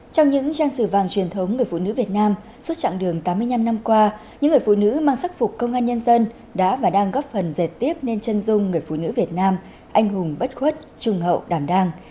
trong những trang sử vàng truyền thống người phụ nữ việt nam suốt chặng đường tám mươi năm năm qua những người phụ nữ mang sắc phục công an nhân dân đã và đang góp phần dệt tiếp nên chân dung người phụ nữ việt nam anh hùng bất khuất trung hậu đảm đang